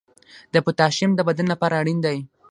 د پوتاشیم د بدن لپاره اړین دی.